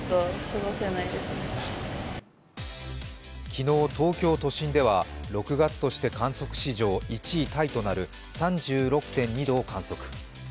昨日、東京都心では６月として観測史上１位タイとなる３６．２度を観測。